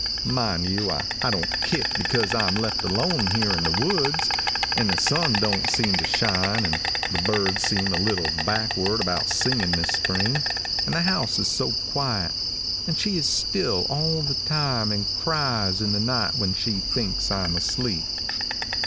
"Mind you, I don't kick because I'm left alone here in the woods, and the sun don't seem to shine, and the birds seems a little backward about singin' this spring, and the house is so quiet, and she is still all the time and cries in the night when she thinks I am asleep.